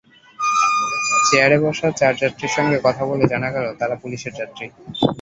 চেয়ারে বসা চার যাত্রীর সঙ্গে কথা বলে জানা গেল, তাঁরা পুলিশের যাত্রী।